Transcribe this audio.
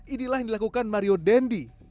inilah yang dilakukan mario dendi